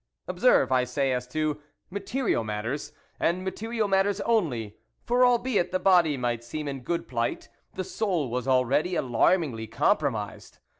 Observe, I say, as to material matters, and material matters only ; for albeit the body might seem in good plight, the soul was already alarmingly compromised.